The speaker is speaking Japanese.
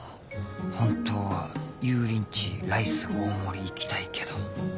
本当は油淋鶏ライス大盛り行きたいけど